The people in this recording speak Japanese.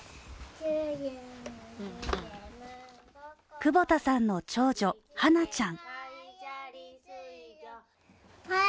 久保田さんの長女、はなちゃん。